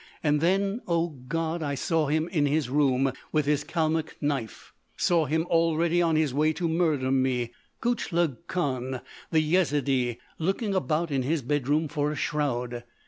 And then, O God! I saw him in his room with his Kalmuck knife—saw him already on his way to murder me—Gutchlug Khan, the Yezidee—looking about in his bedroom for a shroud....